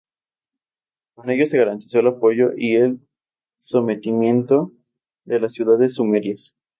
Con ello se garantizó el apoyo y el sometimiento de las ciudades sumerias.